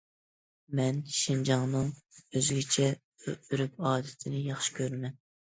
مەن شىنجاڭنىڭ ئۆزگىچە ئۆرپ- ئادىتىنى ياخشى كۆرىمەن.